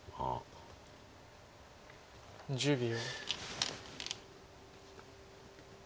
１０秒。